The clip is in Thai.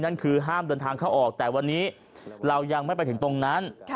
นั่นคือห้ามเดินทางเข้าออกแต่วันนี้เรายังไม่ไปถึงตรงนั้น